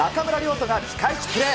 土がピカイチプレー。